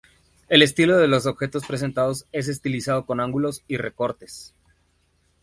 El estilo de los objetos presentados es estilizados, con ángulos y recortes.